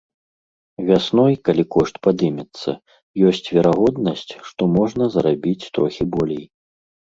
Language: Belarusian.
Вясной, калі кошт падымецца, ёсць верагоднасць, што можна зарабіць трохі болей.